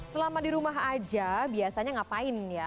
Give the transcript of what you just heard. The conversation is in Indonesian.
selama di rumah aja biasanya ngapain ya